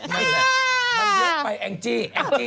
มันเยอะไปแองจี้